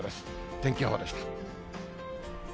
天気予報でした。